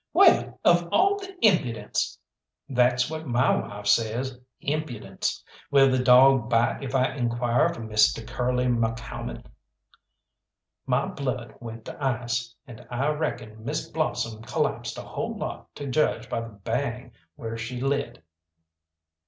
"Well, of all the impudence!" "That's what my wife says impudence. Will the dawg bite if I inquire for Misteh Curly McCalmont?" My blood went to ice, and I reckon Miss Blossom collapsed a whole lot to judge by the bang where she lit.